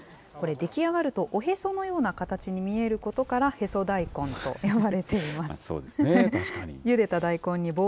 これ、出来上がるとおへそのような形に見えることから、そうですね、確かに。